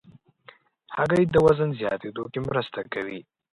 هګۍ د وزن زیاتېدو کې مرسته کوي.